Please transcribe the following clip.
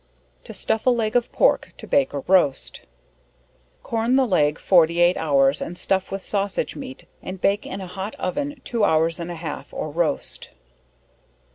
To stuff a leg of Pork to bake or roast. Corn the leg 48 hours and stuff with sausage meat and bake in a hot oven two hours and an half or roast.